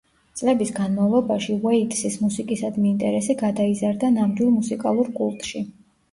წლების განმავლობაში უეიტსის მუსიკისადმი ინტერესი გადაიზარდა ნამდვილ მუსიკალურ კულტში.